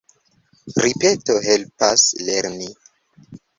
Ripeto helpas lerni.